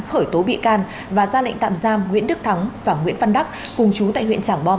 khởi tố bị can và ra lệnh tạm giam nguyễn đức thắng và nguyễn văn đắc cùng chú tại huyện trảng bom